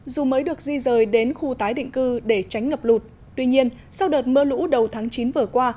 dù mới được di rời đến khu tái định cư để tránh ngập lụt tuy nhiên sau đợt mưa lũ đầu tháng chín vừa qua